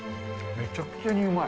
めちゃくちゃにうまい。